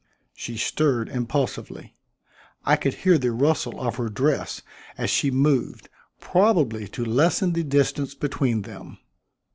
She stirred impulsively. I could hear the rustle of her dress as she moved, probably to lessen the distance between them.